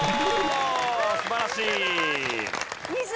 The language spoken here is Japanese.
素晴らしい。